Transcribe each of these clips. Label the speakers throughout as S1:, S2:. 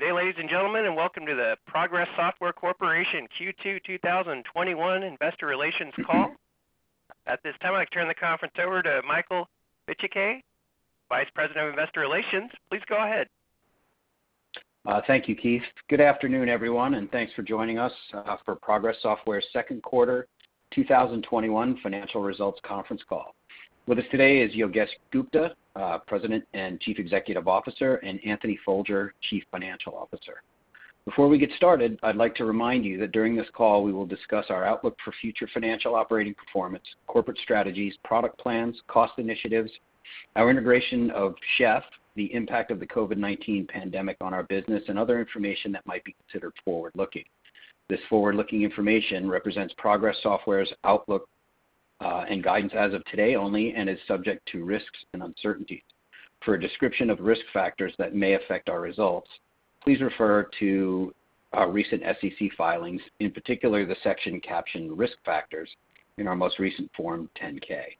S1: Good day, ladies and gentlemen, welcome to the Progress Software Corporation Q2 2021 investor relations call. At this time, I'd like to turn the conference over to Michael Micciche, Vice President of Investor Relations. Please go ahead.
S2: Thank you, Keith. Good afternoon, everyone, and thanks for joining us for Progress Software's second quarter 2021 financial results conference call. With us today is Yogesh Gupta, President and Chief Executive Officer, and Anthony Folger, Chief Financial Officer. Before we get started, I'd like to remind you that during this call, we will discuss our outlook for future financial operating performance, corporate strategies, product plans, cost initiatives, our integration of Chef, the impact of the COVID-19 pandemic on our business, and other information that might be considered forward-looking. This forward-looking information represents Progress Software's outlook, and guidance as of today only, and is subject to risks and uncertainty. For a description of risk factors that may affect our results, please refer to our recent SEC filings, in particular, the section captioned "Risk Factors" in our most recent Form 10-K.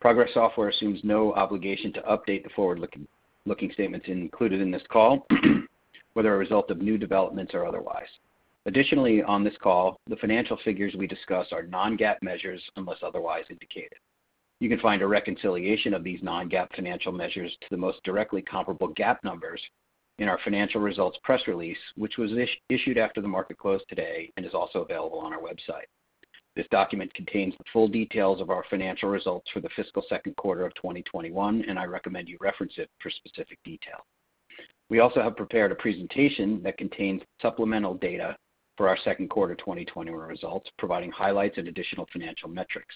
S2: Progress Software assumes no obligation to update the forward-looking statements included in this call, whether a result of new developments or otherwise. Additionally, on this call, the financial figures we discuss are non-GAAP measures unless otherwise indicated. You can find a reconciliation of these non-GAAP financial measures to the most directly comparable GAAP numbers in our financial results press release, which was issued after the market close today and is also available on our website. This document contains the full details of our financial results for the fiscal second quarter of 2021, and I recommend you reference it for specific detail. We also have prepared a presentation that contains supplemental data for our second quarter 2021 results, providing highlights and additional financial metrics.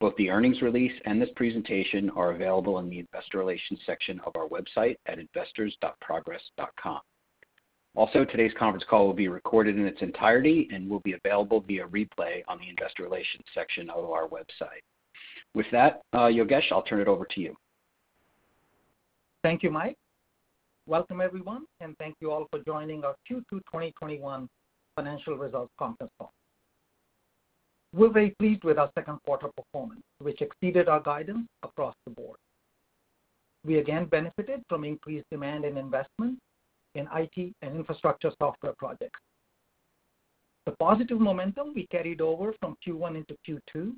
S2: Both the earnings release and this presentation are available in the investor relations section of our website at investors.progress.com. Today's conference call will be recorded in its entirety and will be available via replay on the investor relations section of our website. With that, Yogesh, I'll turn it over to you.
S3: Thank you, Mike. Welcome, everyone, and thank you all for joining our Q2 2021 financial results conference call. We're very pleased with our second quarter performance, which exceeded our guidance across the board. We again benefited from increased demand in investment in IT and infrastructure software projects. The positive momentum we carried over from Q1 into Q2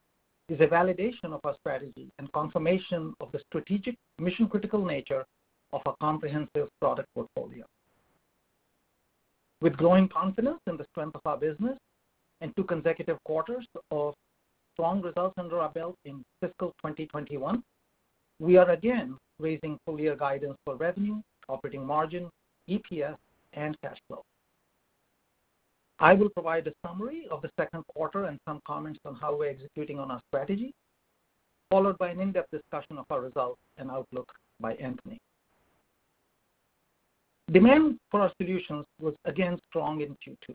S3: is a validation of our strategy and confirmation of the strategic mission-critical nature of our comprehensive product portfolio. With growing confidence in the strength of our business and two consecutive quarters of strong results under our belt in fiscal 2021, we are again raising full-year guidance for revenue, operating margin, EPS, and cash flow. I will provide a summary of the second quarter and some comments on how we're executing on our strategy, followed by an in-depth discussion of our results and outlook by Anthony. Demand for our solutions was again strong in Q2.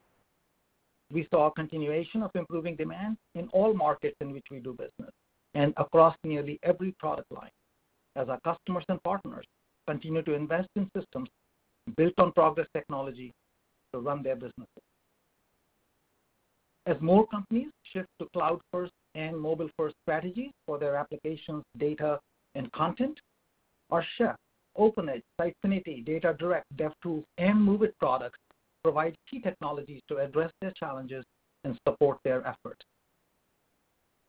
S3: We saw a continuation of improving demand in all markets in which we do business and across nearly every product line as our customers and partners continue to invest in systems built on Progress to run their businesses. As more companies shift to cloud-first and mobile-first strategies for their applications, data, and content, our Chef, OpenEdge, Sitefinity, DataDirect, DevTools, and MOVEit products provide key technologies to address their challenges and support their efforts.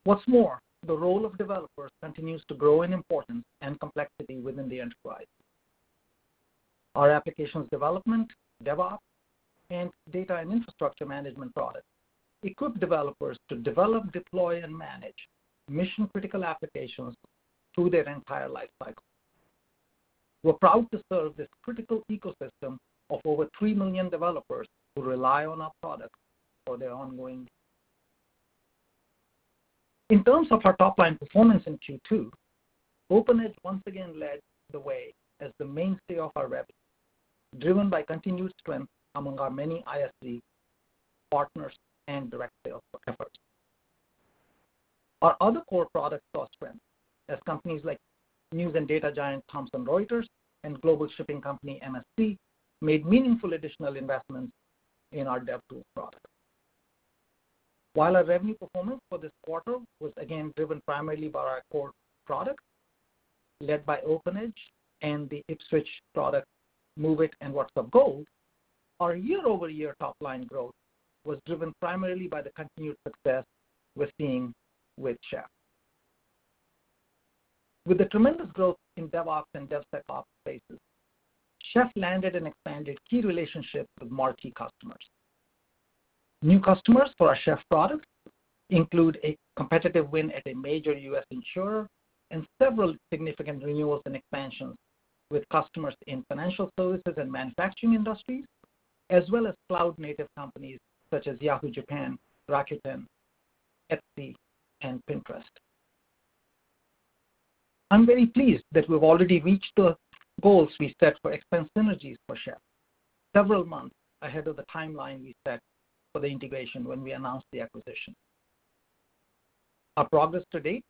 S3: What's more, the role of developers continues to grow in importance and complexity within the enterprise. Our applications development, DevOps, and data and infrastructure management products equip developers to develop, deploy, and manage mission-critical applications through their entire lifecycle. We're proud to serve this critical ecosystem of over 3 million developers who rely on our products. In terms of our top-line performance in Q2, OpenEdge once again led the way as the mainstay of our revenue, driven by continued strength among our many ISV partners and direct sales efforts. Our other core products saw strength as companies like news and data giant Thomson Reuters and global shipping company MSC made meaningful additional investments in our DevTools product. While our revenue performance for this quarter was again driven primarily by our core products, led by OpenEdge and the Ipswitch product MOVEit and WhatsUp Gold, our year-over-year top-line growth was driven primarily by the continued success we're seeing with Chef. With the tremendous growth in DevOps and DevSecOps spaces, Chef landed and expanded key relationships with marquee customers. New customers for our Chef products include a competitive win at a major U.S. insurer and several significant renewals and expansions with customers in financial services and manufacturing industries, as well as cloud-native companies such as Yahoo! Japan, Rakuten, Etsy, and Pinterest. I'm very pleased that we've already reached the goals we set for expense synergies for Chef several months ahead of the timeline we set for the integration when we announced the acquisition. Our progress to date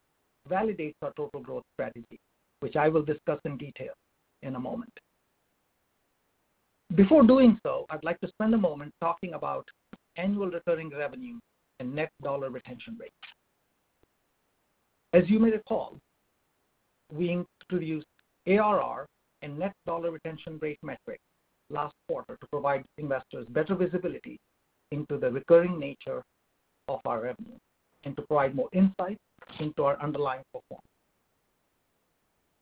S3: validates our total growth strategy, which I will discuss in detail in a moment. Before doing so, I'd like to spend a moment talking about annual recurring revenue and net dollar retention rates. As you may recall, we introduced ARR and net dollar retention rate metrics last quarter to provide investors better visibility into the recurring nature of our revenue and to provide more insight into our underlying performance.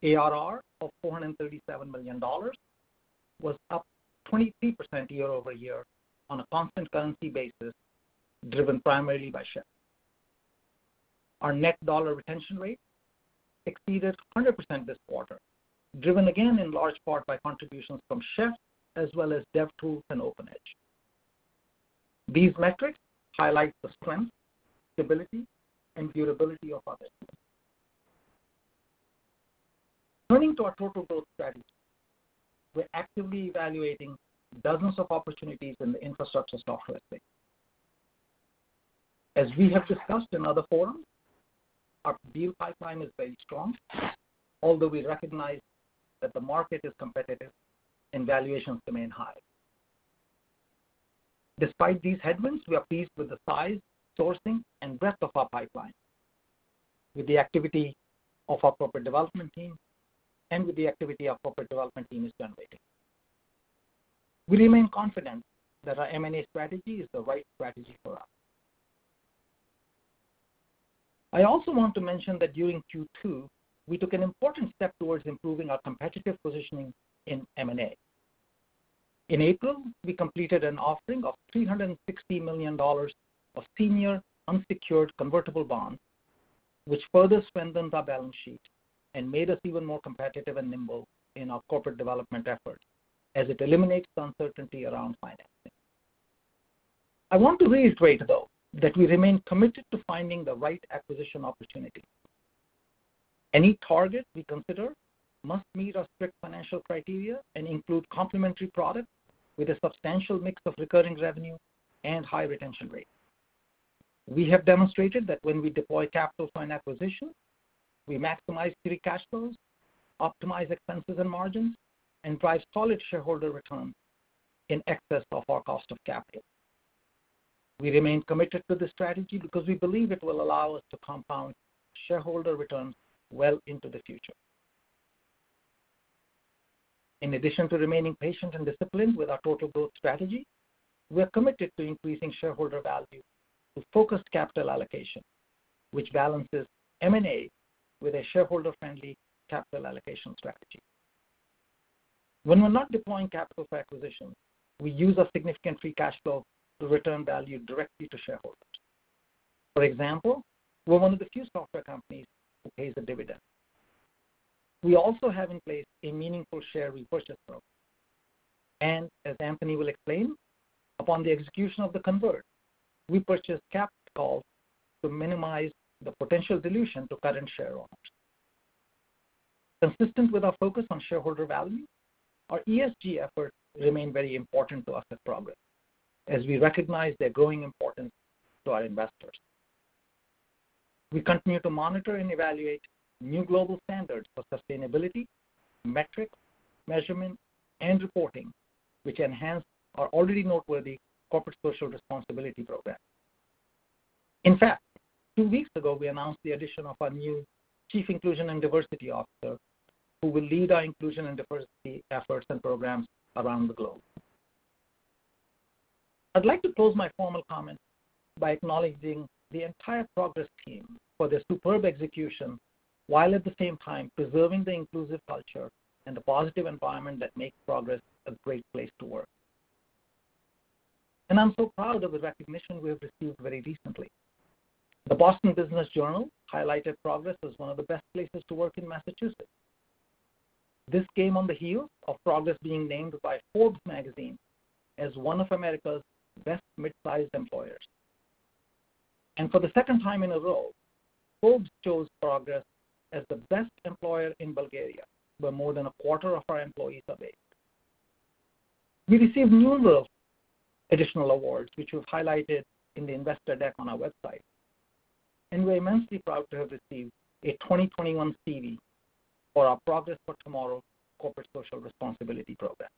S3: ARR of $437 million was up 23% year-over-year on a constant currency basis, driven primarily by Chef. Our net dollar retention rate exceeded 100% this quarter, driven again in large part by contributions from Chef as well as DevTools and OpenEdge. These metrics highlight the strength, stability, and durability of our business. Turning to our total growth strategy, we're actively evaluating dozens of opportunities in the infrastructure software space. As we have discussed in other forums, our deal pipeline is very strong, although we recognize that the market is competitive and valuations remain high. Despite these headwinds, we are pleased with the size, sourcing, and breadth of our pipeline, with the activity our corporate development team is generating. We remain confident that our M&A strategy is the right strategy for us. I also want to mention that during Q2, we took an important step towards improving our competitive positioning in M&A. In April, we completed an offering of $360 million of senior unsecured convertible bonds, which further strengthened our balance sheet and made us even more competitive and nimble in our corporate development efforts as it eliminates uncertainty around financing. I want to reiterate, though, that we remain committed to finding the right acquisition opportunity. Any target we consider must meet our strict financial criteria and include complementary products with a substantial mix of recurring revenue and high retention rates. We have demonstrated that when we deploy capital for an acquisition, we maximize free cash flows, optimize expenses and margins, and drive solid shareholder returns in excess of our cost of capital. We remain committed to this strategy because we believe it will allow us to compound shareholder returns well into the future. In addition to remaining patient and disciplined with our total growth strategy, we are committed to increasing shareholder value with focused capital allocation, which balances M&A with a shareholder-friendly capital allocation strategy. When we're not deploying capital for acquisitions, we use our significant free cash flow to return value directly to shareholders. For example, we're one of the few software companies who pays a dividend. We also have in place a meaningful share repurchase program. As Anthony will explain, upon the execution of the convert, we purchased capped calls to minimize the potential dilution to current shareholders. Consistent with our focus on shareholder value, our ESG efforts remain very important to us at Progress as we recognize their growing importance to our investors. We continue to monitor and evaluate new global standards for sustainability, metrics, measurement, and reporting, which enhance our already noteworthy corporate social responsibility program. In fact, two weeks ago, we announced the addition of our new Chief Inclusion and Diversity Officer, who will lead our inclusion and diversity efforts and programs around the globe. I'd like to close my formal comments by acknowledging the entire Progress team for their superb execution while at the same time preserving the inclusive culture and the positive environment that makes Progress a great place to work. I'm so proud of the recognition we have received very recently. The Boston Business Journal highlighted Progress as one of the best places to work in Massachusetts. This came on the heels of Progress being named by Forbes as one of America's Best Midsize Employers. For the second time in a row, Forbes chose Progress as the best employer in Bulgaria, where more than a quarter of our employees are based. We received numerous additional awards, which we've highlighted in the investor deck on our website, and we're immensely proud to have received a 2021 Stevie for our Progress for Tomorrow corporate social responsibility program.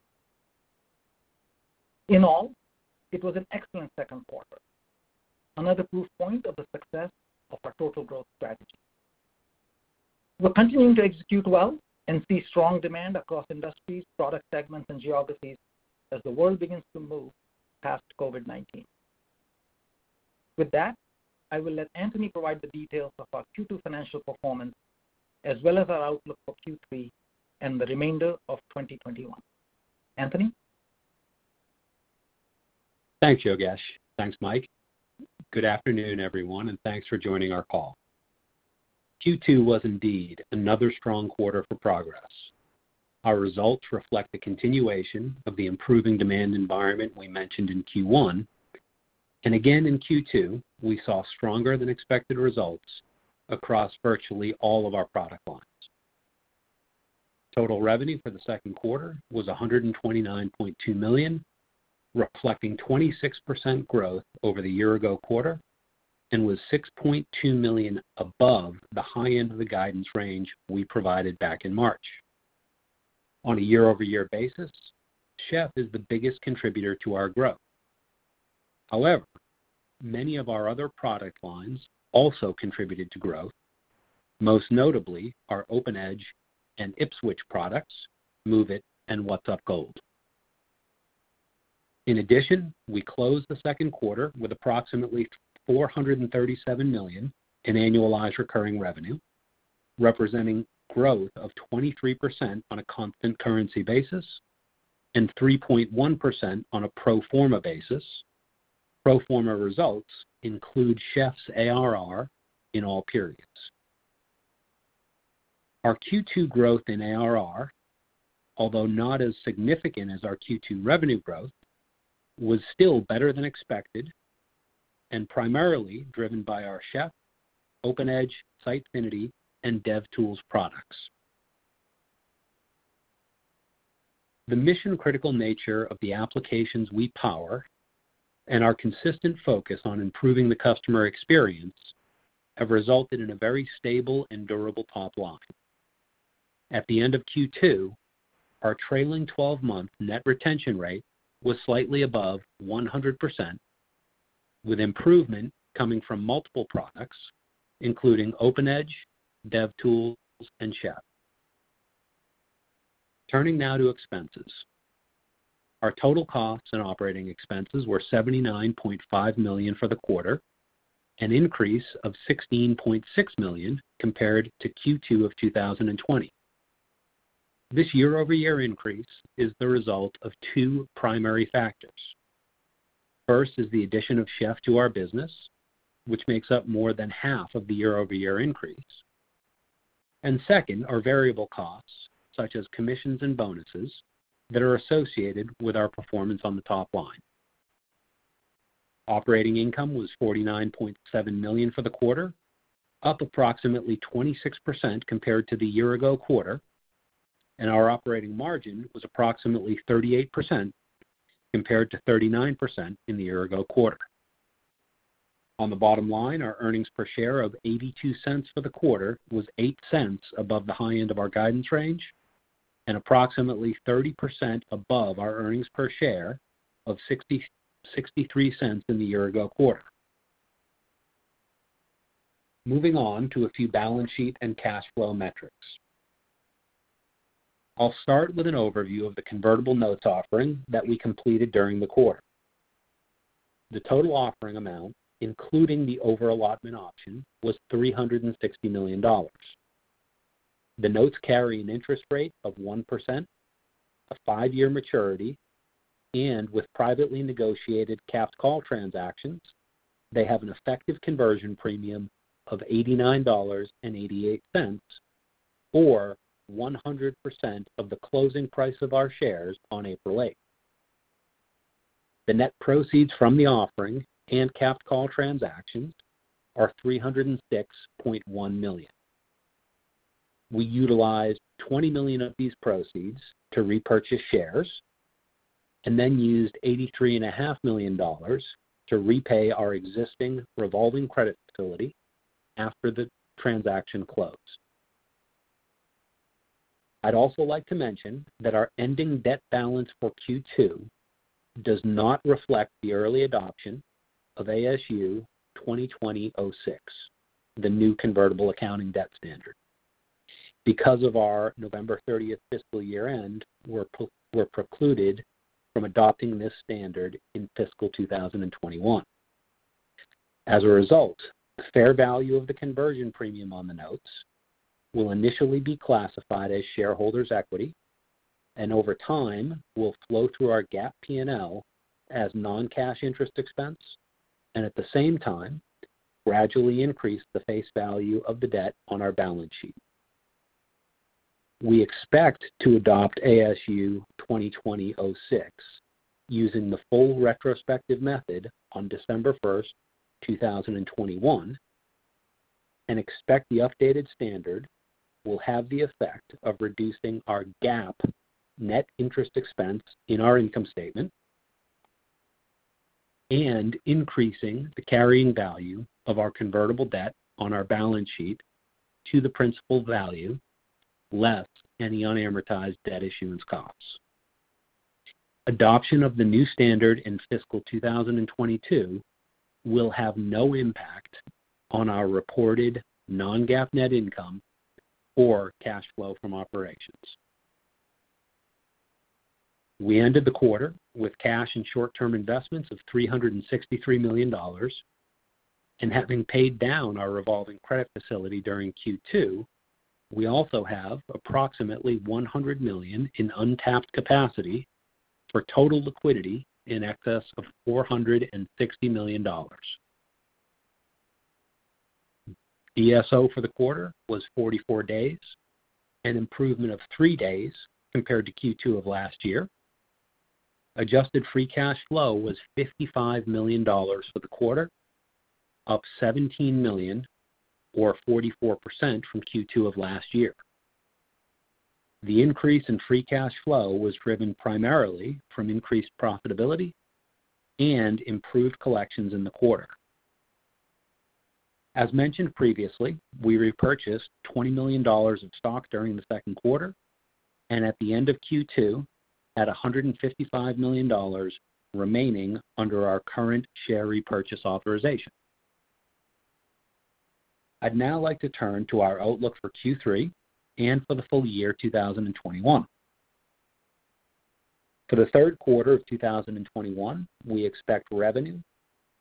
S3: In all, it was an excellent second quarter, another proof point of the success of our total growth strategy. We're continuing to execute well and see strong demand across industries, product segments, and geographies as the world begins to move past COVID-19. With that, I will let Anthony provide the details of our Q2 financial performance, as well as our outlook for Q3 and the remainder of 2021. Anthony?
S4: Thanks, Yogesh. Thanks, Mike. Good afternoon, everyone, thanks for joining our call. Q2 was indeed another strong quarter for Progress. Our results reflect the continuation of the improving demand environment we mentioned in Q1. Again, in Q2, we saw stronger than expected results across virtually all of our product lines. Total revenue for the second quarter was $129.2 million, reflecting 26% growth over the year-ago quarter, and was $6.2 million above the high end of the guidance range we provided back in March. On a year-over-year basis, Chef is the biggest contributor to our growth. However, many of our other product lines also contributed to growth, most notably our OpenEdge and Ipswitch products, MOVEit, and WhatsUp Gold. In addition, we closed the second quarter with approximately $437 million in annualized recurring revenue, representing growth of 23% on a constant currency basis and 3.1% on a pro forma basis. Pro forma results include Chef's ARR in all periods. Our Q2 growth in ARR, although not as significant as our Q2 revenue growth, was still better than expected and primarily driven by our Chef, OpenEdge, Sitefinity, and DevTools products. The mission-critical nature of the applications we power and our consistent focus on improving the customer experience have resulted in a very stable and durable top line. At the end of Q2, our trailing 12-month net retention rate was slightly above 100%, with improvement coming from multiple products, including OpenEdge, DevTools, and Chef. Turning now to expenses. Our total costs and operating expenses were $79.5 million for the quarter, an increase of $16.6 million compared to Q2 of 2020. This year-over-year increase is the result of two primary factors. First is the addition of Chef to our business, which makes up more than half of the year-over-year increase. Second are variable costs, such as commissions and bonuses that are associated with our performance on the top line. Operating income was $49.7 million for the quarter, up approximately 26% compared to the year-ago quarter, and our operating margin was approximately 38% compared to 39% in the year-ago quarter. On the bottom line, our earnings per share of $0.82 for the quarter was $0.08 above the high end of our guidance range and approximately 30% above our earnings per share of $0.63 in the year-ago quarter. Moving on to a few balance sheet and cash flow metrics. I'll start with an overview of the convertible notes offering that we completed during the quarter. The total offering amount, including the over-allotment option, was $360 million. The notes carry an interest rate of 1%, a five year maturity, and with privately negotiated capped-call transactions, they have an effective conversion premium of $89.88, or 100% of the closing price of our shares on April 8th. The net proceeds from the offering and capped-call transactions are $306.1 million. We utilized $20 million of these proceeds to repurchase shares and then used $83.5 million to repay our existing revolving credit facility after the transaction closed. I'd also like to mention that our ending debt balance for Q2 does not reflect the early adoption of ASU 2020-06, the new convertible accounting debt standard. Because of our November 30th fiscal year-end, we're precluded from adopting this standard in fiscal 2021. As a result, the fair value of the conversion premium on the notes will initially be classified as shareholders' equity and over time will flow through our GAAP P&L as non-cash interest expense and at the same time, gradually increase the face value of the debt on our balance sheet. We expect to adopt ASU 2020-06 using the full retrospective method on December 1st, 2021, and expect the updated standard will have the effect of reducing our GAAP net interest expense in our income statement and increasing the carrying value of our convertible debt on our balance sheet to the principal value less any unamortized debt issuance costs. Adoption of the new standard in fiscal 2022 will have no impact on our reported non-GAAP net income or cash flow from operations. We ended the quarter with cash and short-term investments of $363 million, and having paid down our revolving credit facility during Q2, we also have approximately $100 million in untapped capacity for total liquidity in excess of $460 million. DSO for the quarter was 44 days, an improvement of three days compared to Q2 of last year. Adjusted free cash flow was $55 million for the quarter, up $17 million or 44% from Q2 of last year. The increase in free cash flow was driven primarily from increased profitability and improved collections in the quarter. As mentioned previously, we repurchased $20 million of stock during the second quarter, and at the end of Q2, had $155 million remaining under our current share repurchase authorization. I'd now like to turn to our outlook for Q3 and for the full year 2021. For the 3rd quarter of 2021, we expect revenue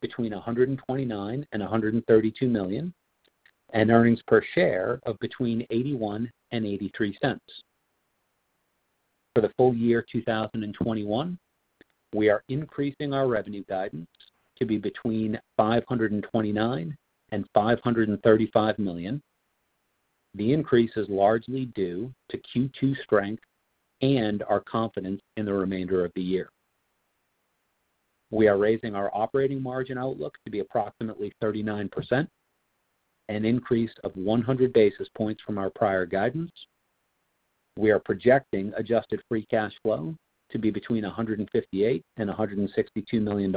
S4: between $129 million and $132 million, and earnings per share of between $0.81 and $0.83. For the full year 2021, we are increasing our revenue guidance to be between $529 million and $535 million. The increase is largely due to Q2 strength and our confidence in the remainder of the year. We are raising our operating margin outlook to be approximately 39%, an increase of 100 basis points from our prior guidance. We are projecting adjusted free cash flow to be between $158 million and $162 million,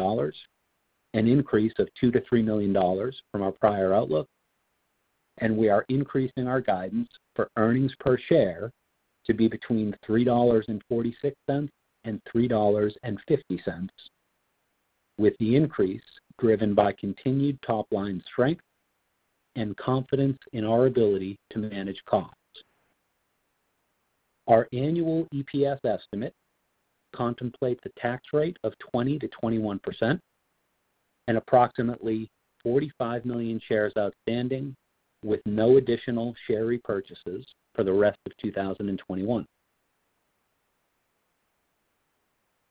S4: an increase of $2 million-$3 million from our prior outlook, and we are increasing our guidance for earnings per share to be between $3.46 and $3.50, with the increase driven by continued top-line strength and confidence in our ability to manage costs. Our annual EPS estimate contemplates a tax rate of 20%-21% and approximately 45 million shares outstanding, with no additional share repurchases for the rest of 2021.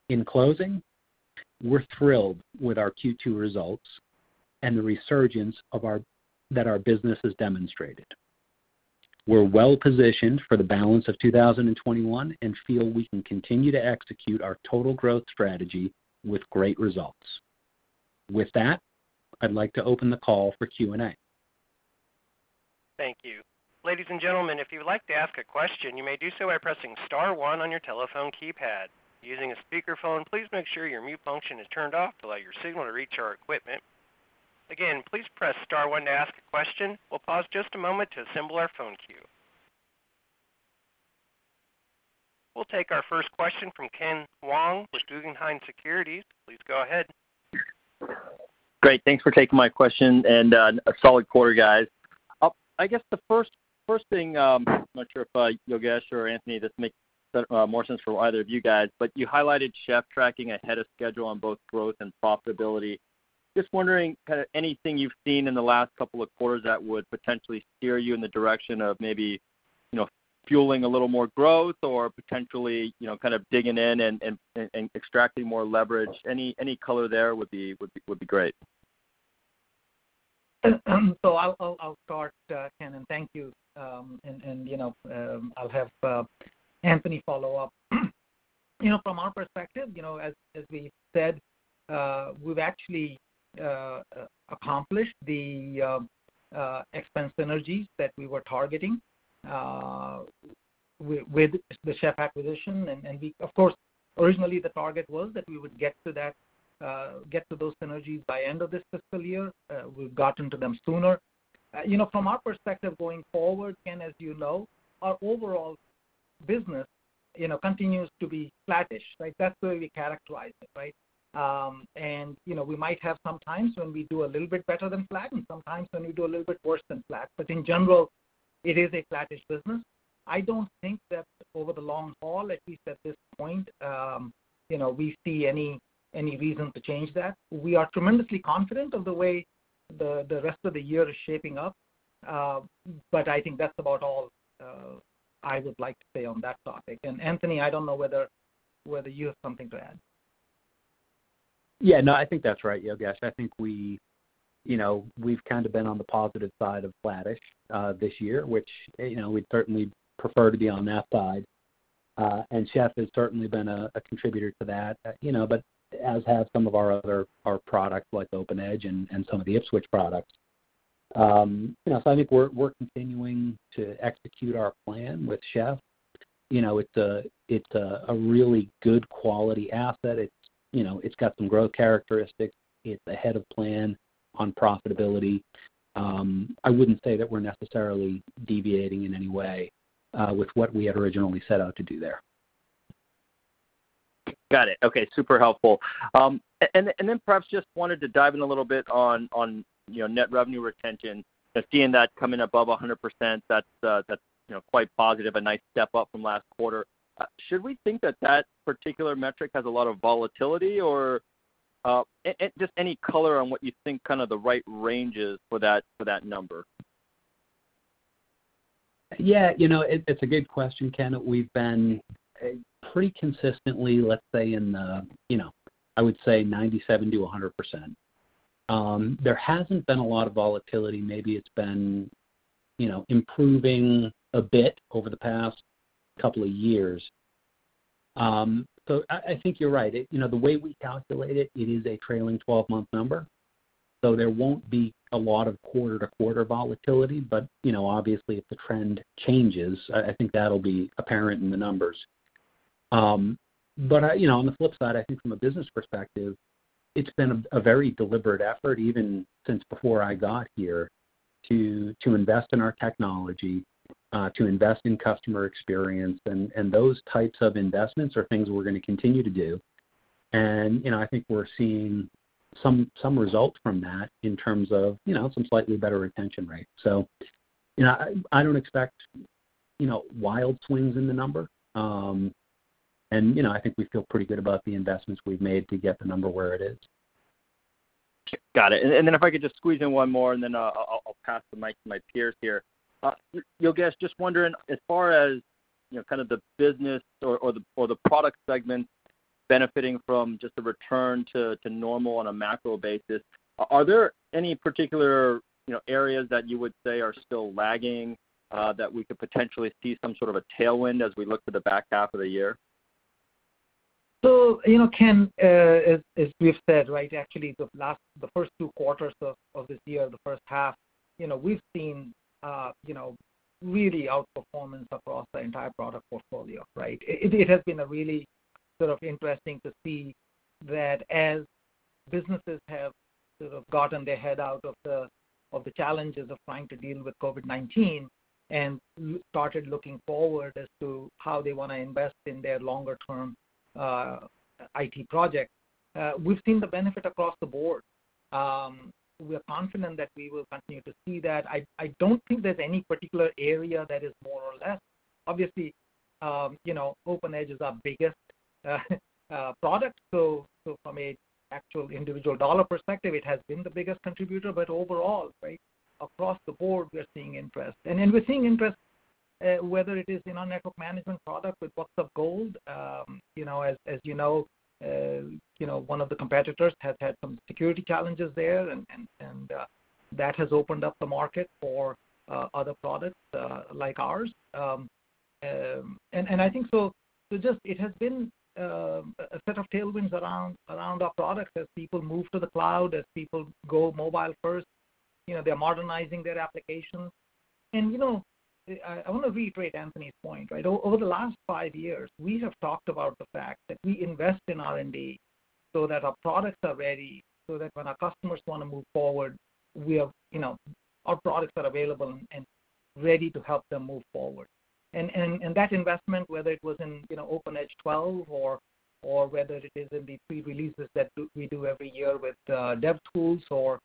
S4: In closing, we're thrilled with our Q2 results and the resurgence that our business has demonstrated. We're well-positioned for the balance of 2021 and feel we can continue to execute our total growth strategy with great results. With that, I'd like to open the call for Q&A.
S1: We'll take our first question from Ken Wong with Guggenheim Securities. Please go ahead.
S5: Great. Thanks for taking my question. A solid quarter, guys. I guess the first thing, I'm not sure if Yogesh or Anthony, this makes more sense for either of you guys, but you highlighted Chef tracking ahead of schedule on both growth and profitability. Just wondering anything you've seen in the last couple of quarters that would potentially steer you in the direction of maybe fueling a little more growth or potentially digging in and extracting more leverage. Any color there would be great.
S3: I'll start, Ken, and thank you. I'll have Anthony follow up. From our perspective, as we said, we've actually accomplished the expense synergies that we were targeting with the Chef acquisition. Of course, originally the target was that we would get to those synergies by end of this fiscal year. We've gotten to them sooner. From our perspective going forward, Ken, as you know, our overall business continues to be flattish. That's the way we characterize it, right? We might have some times when we do a little bit better than flat and some times when we do a little bit worse than flat. In general, it is a flattish business. I don't think that over the long haul, at least at this point, we see any reason to change that. We are tremendously confident of the way the rest of the year is shaping up, but I think that's about all I would like to say on that topic. Anthony, I don't know whether you have something to add.
S4: No, I think that's right, Yogesh. I think we've kind of been on the positive side of flattish this year, which we'd certainly prefer to be on that side. Chef has certainly been a contributor to that, but as have some of our other products like OpenEdge and some of the Ipswitch products. I think we're continuing to execute our plan with Chef. It's a really good quality asset. It's got some growth characteristics. It's ahead of plan on profitability. I wouldn't say that we're necessarily deviating in any way with what we had originally set out to do there.
S5: Got it. Okay. Super helpful. Perhaps just wanted to dive in a little bit on net revenue retention, seeing that come in above 100%, that's quite positive, a nice step up from last quarter. Should we think that that particular metric has a lot of volatility? Just any color on what you think kind of the right range is for that number.
S4: Yeah. It's a good question, Ken. We've been pretty consistently, let's say, in the I would say 97%-100%. There hasn't been a lot of volatility. Maybe it's been improving a bit over the past couple of years. I think you're right. The way we calculate it is a trailing 12-month number, so there won't be a lot of quarter-to-quarter volatility. Obviously, if the trend changes, I think that'll be apparent in the numbers. On the flip side, I think from a business perspective, it's been a very deliberate effort, even since before I got here, to invest in our technology, to invest in customer experience, and those types of investments are things we're going to continue to do. I think we're seeing some results from that in terms of some slightly better retention rate. I don't expect wild swings in the number. I think we feel pretty good about the investments we've made to get the number where it is.
S5: Got it. If I could just squeeze in one more, and then I'll pass the mic to my peers here. Yogesh, just wondering, as far as the business or the product segments benefiting from just the return to normal on a macro basis, are there any particular areas that you would say are still lagging that we could potentially see some sort of a tailwind as we look to the back half of the year?
S3: Ken, as we've said, right, actually, the first two quarters of this year, the first half, we've seen really outperformance across our entire product portfolio, right? It has been really sort of interesting to see that as businesses have sort of gotten their head out of the challenges of trying to deal with COVID-19 and started looking forward as to how they want to invest in their longer-term IT projects. We've seen the benefit across the board. We're confident that we will continue to see that. I don't think there's any particular area that is more or less. Obviously, OpenEdge is our biggest product. From an actual individual dollar perspective, it has been the biggest contributor. Overall, right, across the board, we're seeing interest. We're seeing interest whether it is in our network management product with WhatsUp Gold. As you know, one of the competitors has had some security challenges there. That has opened up the market for other products like ours. I think so it has been a set of tailwinds around our products as people move to the cloud, as people go mobile first, they're modernizing their applications. I want to reiterate Anthony's point, right? Over the last five years, we have talked about the fact that we invest in R&D so that our products are ready, so that when our customers want to move forward, our products are available and ready to help them move forward. That investment, whether it was in OpenEdge 12 or whether it is in the pre-releases that we do every year with DevTools or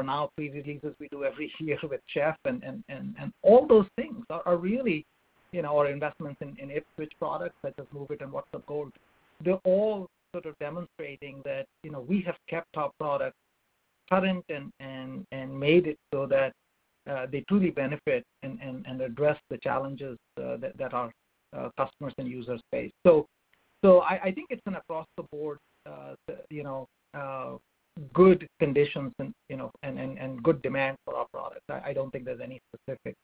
S3: now pre-releases we do every year with Chef and all those things are really our investments in Ipswitch products such as MOVEit and WhatsUp Gold. They're all sort of demonstrating that we have kept our products current and made it so that they truly benefit and address the challenges that our customers and users face. I think it's an across-the-board good conditions and good demand for our products. I don't think there's any specific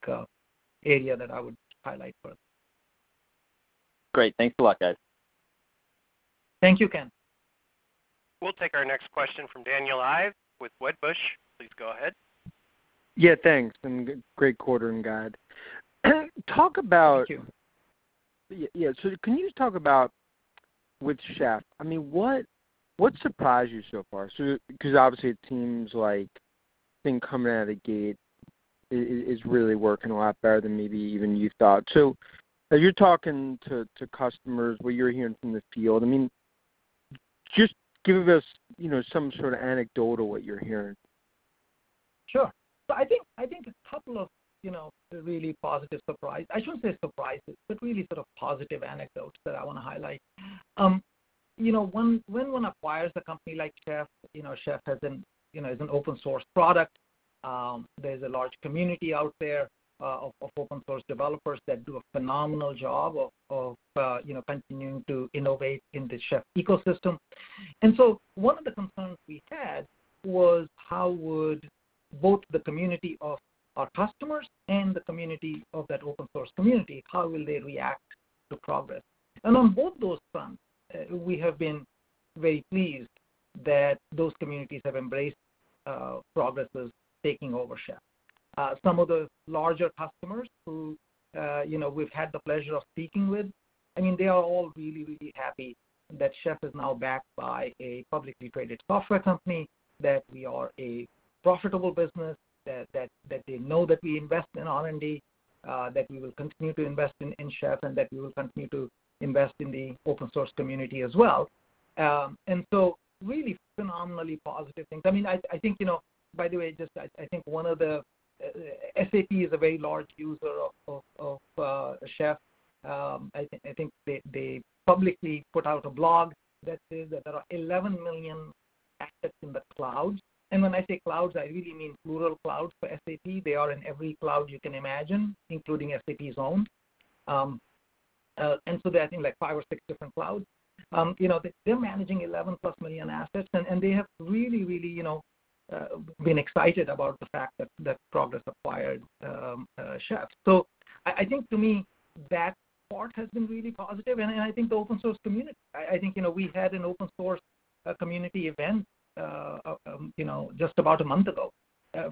S3: area that I would highlight.
S5: Great. Thanks a lot, Yogesh.
S3: Thank you, Ken.
S1: We'll take our next question from Daniel Ives with Wedbush. Please go ahead.
S6: Yeah, thanks. Great quarter and guide.
S3: Thank you.
S6: Yeah, can you just talk about with Chef, what surprised you so far? Because obviously the teams thing coming out of gate is really working a lot better than maybe even you thought. As you're talking to customers, what you're hearing from the field, just give us some sort of anecdotal what you're hearing.
S3: Sure. I think a couple of really positive surprise, I shouldn't say surprises, but really sort of positive anecdotes that I want to highlight. When one acquires a company like Chef is an open source product. There's a large community out there of open source developers that do a phenomenal job of continuing to innovate in the Chef ecosystem. One of the concerns we had was how would both the community of our customers and the community of that open source community, how will they react to Progress? On both those fronts, we have been very pleased that those communities have embraced Progress' taking over Chef. Some of the larger customers who we've had the pleasure of speaking with, they are all really, really happy that Chef is now backed by a publicly traded software company, that we are a profitable business, that they know that we invest in R&D, that we will continue to invest in Chef, and that we will continue to invest in the open source community as well. Really phenomenally positive things. By the way, I think SAP is a very large user of Chef. I think they publicly put out a blog that says that there are 11 million assets in the cloud. When I say clouds, I really mean plural clouds for SAP. They are in every cloud you can imagine, including SAP's own. They're in, I think, five or six different clouds. They're managing 11+ million assets. They have really been excited about the fact that Progress acquired Chef. I think to me, that part has been really positive. I think we had an open source community event just about a month ago.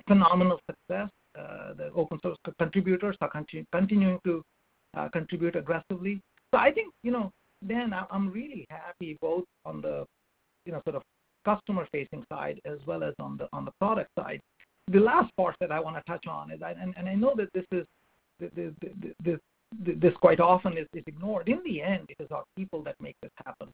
S3: Phenomenal success. The open source contributors are continuing to contribute aggressively. I think, Dan, I'm really happy both on the customer-facing side as well as on the product side. The last part that I want to touch on is, and I know that this quite often is ignored. In the end, it is our people that make this happen.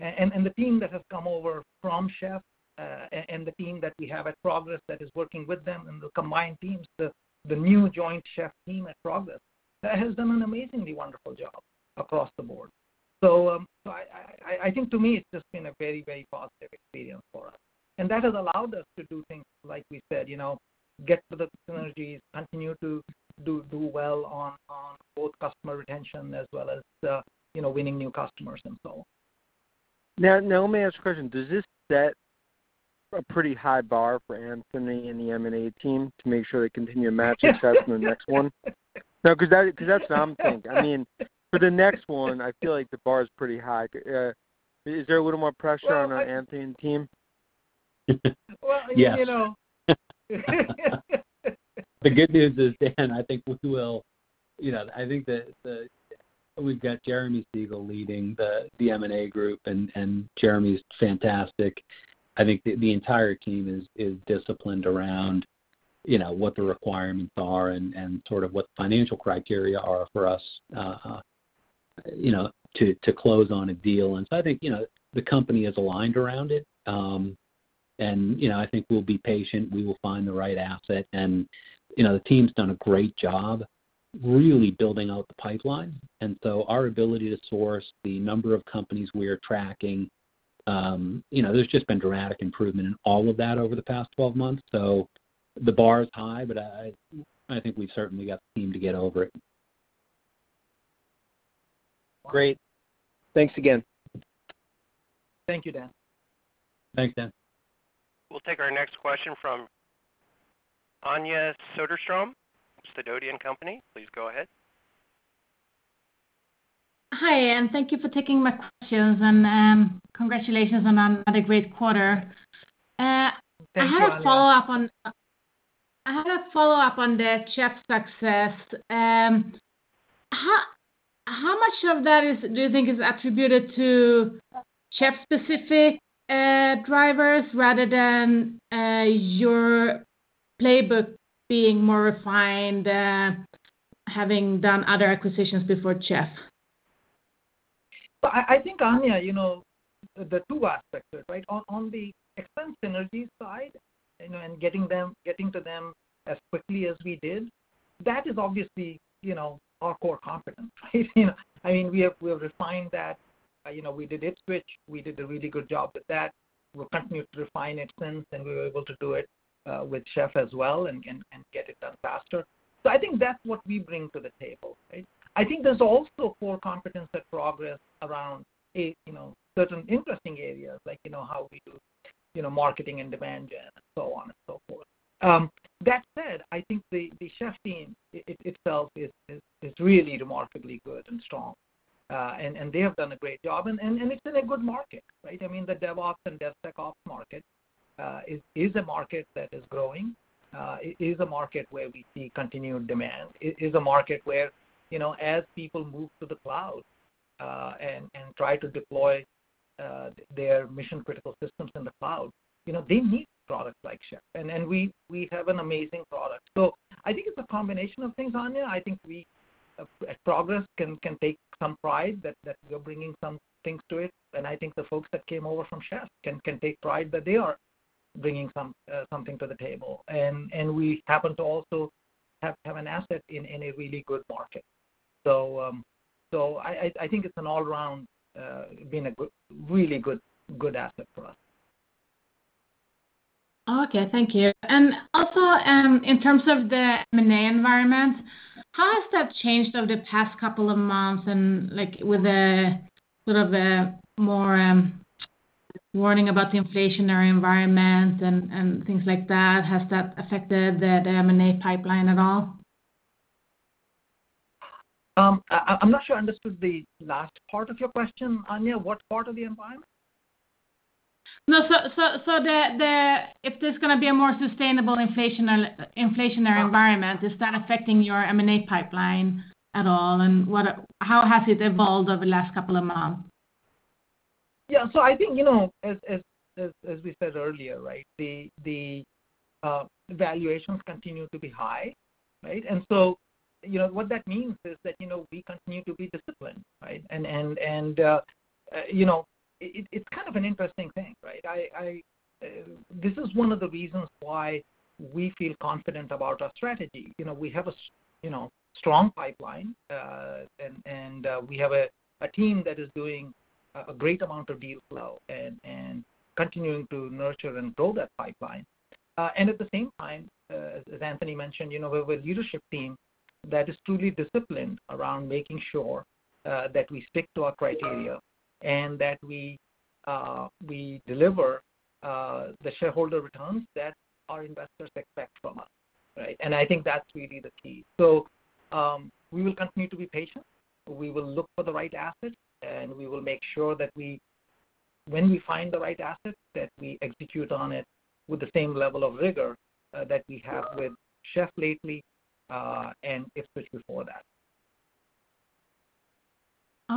S3: The team that has come over from Chef, and the team that we have at Progress that is working with them, and the combined teams, the new joint Chef team at Progress, that has done an amazingly wonderful job across the board. I think to me, it's just been a very positive experience for us. That has allowed us to do things like we said, get to the synergies, continue to do well on both customer retention as well as winning new customers and so on.
S6: Now, let me ask a question. Does this set a pretty high bar for Anthony and the M&A team to make sure they continue to match success in the next one? No, because that's what I'm thinking. For the next one, I feel like the bar is pretty high. Is there a little more pressure on Anthony and team?
S3: Yes. The good news is, Dan, I think that we've got Jeremy Segal leading the M&A group, and Jeremy's fantastic. I think the entire team is disciplined around what the requirements are and sort of what the financial criteria are for us to close on a deal. I think, the company is aligned around it. I think we'll be patient. We will find the right asset, and the team's done a great job really building out the pipeline. Our ability to source the number of companies we are tracking, there's just been dramatic improvement in all of that over the past 12 months. The bar is high, but I think we've certainly got the team to get over it.
S6: Great. Thanks again.
S3: Thank you, Dan.
S4: Thanks, Dan.
S1: We'll take our next question from Anja Soderstrom, Sidoti & Company. Please go ahead.
S7: Hi, and thank you for taking my questions, and congratulations on another great quarter.
S3: Thanks, Anja.
S7: I had a follow-up on the Chef success. How much of that do you think is attributed to Chef-specific drivers rather than your playbook being more refined, having done other acquisitions before Chef?
S3: I think, Anja, the two aspects, on the expense synergies side and getting to them as quickly as we did, that is obviously our core competence. We have refined that. We did Ipswitch. We did a really good job with that. We're continuing to refine it since, and we were able to do it with Chef as well and get it done faster. I think that's what we bring to the table. I think there's also core competence at Progress around certain interesting areas, like how we do marketing and demand gen and so on and so forth. That said, I think the Chef team itself is really remarkably good and strong. They have done a great job, and it's in a good market. The DevOps and DevSecOps market, is a market that is growing. It is a market where we see continued demand. It is a market where as people move to the cloud, and try to deploy their mission-critical systems in the cloud, they need products like Chef. We have an amazing product. I think it's a combination of things, Anja. I think Progress can take some pride that we're bringing some things to it, and I think the folks that came over from Chef can take pride that they are bringing something to the table. We happen to also have an asset in a really good market. I think it's all around been a really good asset for us.
S7: Okay. Thank you. Also, in terms of the M&A environment, how has that changed over the past couple of months and with a little bit more warning about the inflationary environment and things like that? Has that affected the M&A pipeline at all?
S3: I'm not sure I understood the last part of your question, Anja. What part of the environment?
S7: If there's going to be a more sustainable inflationary environment, is that affecting your M&A pipeline at all? How has it evolved over the last two months?
S3: Yeah. I think, as we said earlier, the valuations continue to be high. What that means is that we continue to be disciplined. It's kind of an interesting thing. This is one of the reasons why we feel confident about our strategy. We have a strong pipeline, and we have a team that is doing a great amount of deal flow and continuing to nurture and build that pipeline. At the same time, as Anthony mentioned, we have a leadership team that is truly disciplined around making sure that we stick to our criteria and that we deliver the shareholder returns that our investors expect from us. I think that's really the key. We will continue to be patient. We will look for the right asset, and we will make sure that we When we find the right asset, we execute on it with the same level of rigor that we have with Chef lately, and especially before that.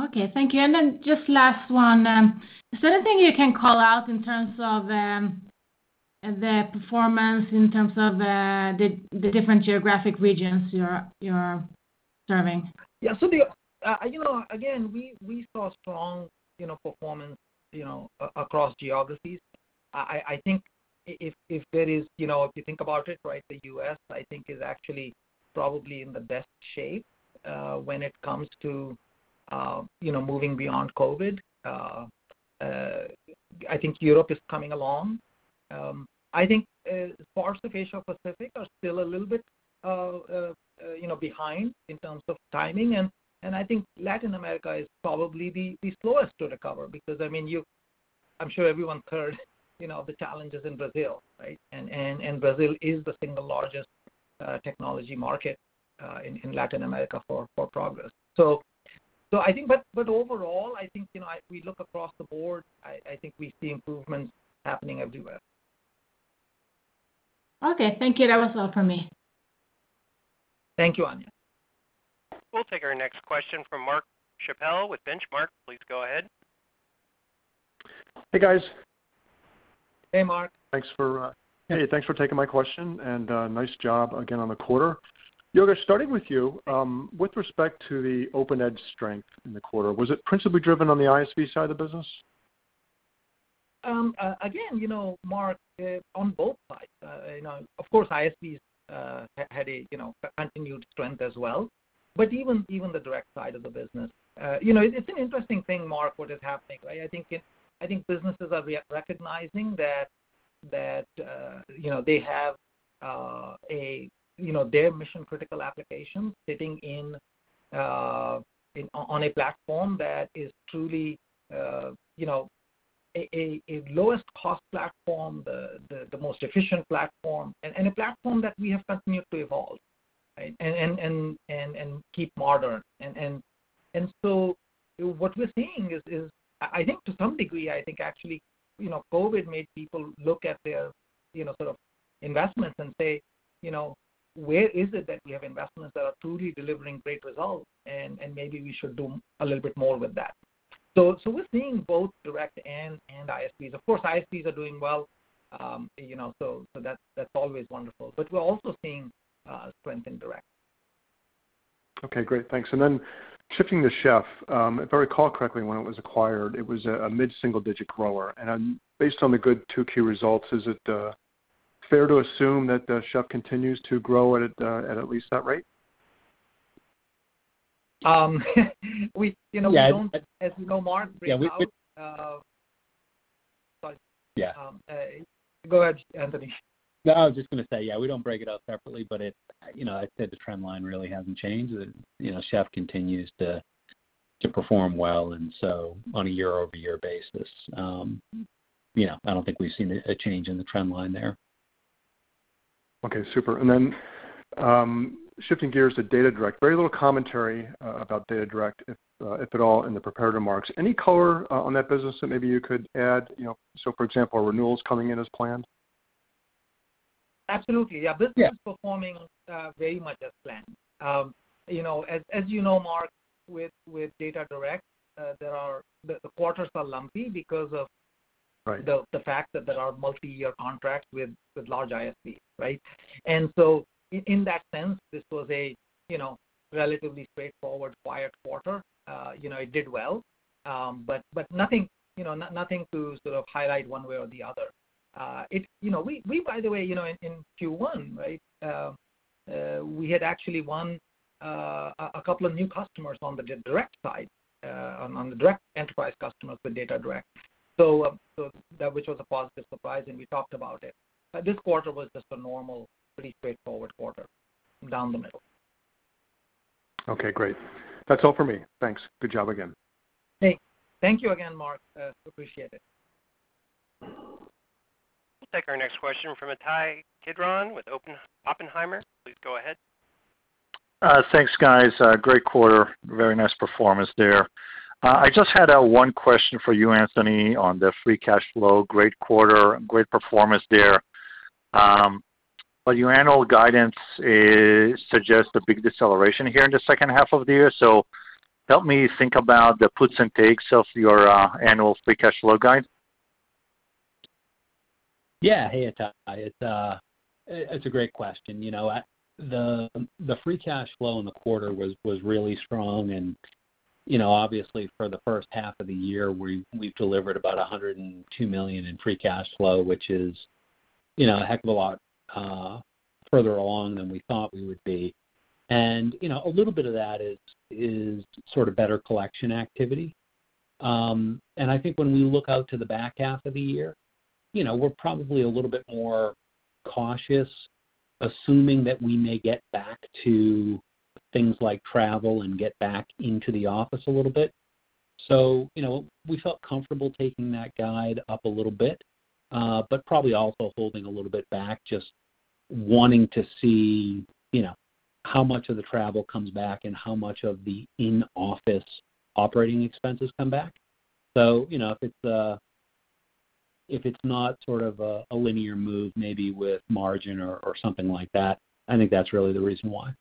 S7: Okay, thank you. Just last one, is there anything you can call out in terms of the performance in terms of the different geographic regions you're serving?
S3: Again, we saw strong performance across geographies. If you think about it, the U.S., I think is actually probably in the best shape when it comes to moving beyond COVID. I think Europe is coming along. I think parts of Asia Pacific are still a little bit behind in terms of timing, and I think Latin America is probably the slowest to recover because I'm sure everyone's heard the challenges in Brazil. Brazil is the single largest technology market in Latin America for Progress. Overall, I think we look across the board, I think we see improvements happening everywhere.
S7: Okay, thank you. That was all for me.
S3: Thank you, Anja.
S1: We'll take our next question from Mark Schappell with Benchmark. Please go ahead.
S8: Hey, guys.
S3: Hey, Mark.
S8: Hey, thanks for taking my question, and nice job again on the quarter. Yogesh, starting with you. With respect to the OpenEdge strength in the quarter, was it principally driven on the ISV side of the business?
S3: Again, Mark, on both sides, of course, ISV had a continued strength as well, but even the direct side of the business. It's an interesting thing, Mark, what is happening. I think businesses are recognizing that they have their mission-critical applications sitting on a platform that is truly a lowest cost platform, the most efficient platform, and a platform that we have continued to evolve and keep modern. What we're seeing is, I think to some degree, I think actually COVID made people look at their investments and say, "Where is it that we have investments that are truly delivering great results? Maybe we should do a little bit more with that." We're seeing both direct and ISVs. Of course, ISVs are doing well, so that's always wonderful. We're also seeing strength in direct.
S8: Okay, great. Thanks. Then shifting to Chef. If I recall correctly, when it was acquired, it was a mid-single digit grower. Based on the good 2Q results, is it fair to assume that Chef continues to grow at at least that rate?
S3: As you know, Mark.
S8: Yeah.
S3: Go ahead, Anthony.
S4: No, I was just going to say, yeah, we don't break it out separately, but as I said, the trend line really hasn't changed. Chef continues to perform well, and so on a year-over-year basis, I don't think we've seen a change in the trend line there.
S8: Okay, super. Shifting gears to DataDirect. Very little commentary about DataDirect, if at all, in the prepared remarks. Any color on that business that maybe you could add? For example, are renewals coming in as planned?
S3: Absolutely.
S8: Yeah.
S3: Business is performing very much as planned. As you know, Mark, with DataDirect, the quarters are lumpy because of.
S8: Right.
S3: The fact that there are multi-year contracts with large ISVs. In that sense, this was a relatively straightforward, quiet quarter. It did well. Nothing to highlight one way or the other. We, by the way, in Q1, we had actually won a couple of new customers on the direct side, on the direct enterprise customers for DataDirect, which was a positive surprise, and we talked about it. This quarter was just a normal, pretty straightforward quarter down the middle.
S8: Okay, great. That's all for me. Thanks. Good job again.
S3: Hey. Thank you again, Mark. Appreciate it.
S1: We'll take our next question from Ittai Kidron with Oppenheimer. Please go ahead.
S9: Thanks, guys. Great quarter. Very nice performance there. I just had one question for you, Anthony, on the free cash flow. Great quarter. Great performance there. Your annual guidance suggests a big deceleration here in the second half of the year. Help me think about the puts and takes of your annual free cash flow guide.
S4: Hey, Ittai. It's a great question. The free cash flow in the quarter was really strong. Obviously for the first half of the year, we delivered about $102 million in free cash flow, which is a heck of a lot further along than we thought we would be. A little bit of that is better collection activity. I think when we look out to the back half of the year, we're probably a little bit more cautious, assuming that we may get back to things like travel and get back into the office a little bit. We felt comfortable taking that guide up a little bit. Probably also holding a little bit back, just wanting to see how much of the travel comes back and how much of the in-office operating expenses come back. If it's not a linear move, maybe with margin or something like that, I think that's really the reason why.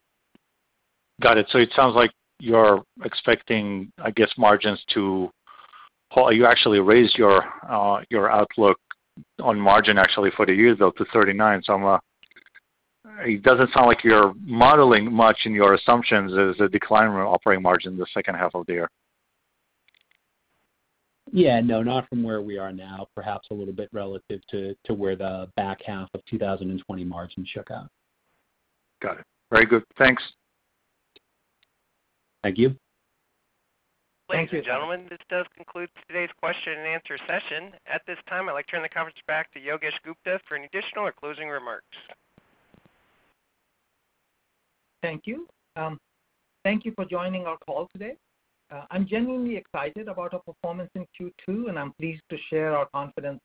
S9: Got it. It sounds like you're expecting margins to Well, you actually raised your outlook on margin actually for the year, though, to 39%. It doesn't sound like you're modeling much in your assumptions as a decline in operating margin in the second half of the year.
S4: Yeah, no, not from where we are now. Perhaps a little bit relative to where the back half of 2020 margins shook out.
S9: Got it. Very good. Thanks.
S4: Thank you.
S1: Ladies and gentlemen, this does conclude today's question and answer session. At this time, I'd like to turn the conference back to Yogesh Gupta for any additional or closing remarks.
S3: Thank you. Thank you for joining our call today. I'm genuinely excited about our performance in Q2, and I'm pleased to share our confidence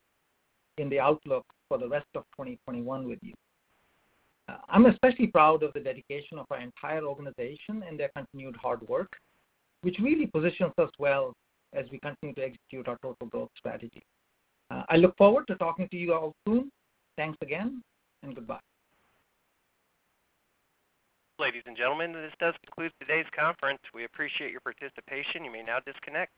S3: in the outlook for the rest of 2021 with you. I'm especially proud of the dedication of our entire organization and their continued hard work, which really positions us well as we continue to execute our total growth strategy. I look forward to talking to you all soon. Thanks again, and goodbye.
S1: Ladies and gentlemen, this does conclude today's conference. We appreciate your participation. You may now disconnect.